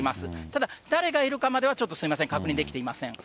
ただ、誰がいるかまではちょっとすみません、確認できていません。